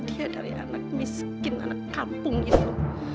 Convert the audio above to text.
dia dari anak miskin anak kampung gitu